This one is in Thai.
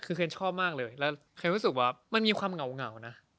คือเคนชอบมากเลยแล้วเคนรู้สึกว่ามันมีความเหงานะ